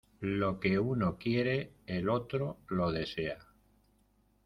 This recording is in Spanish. Lo que uno no quiere el otro lo desea.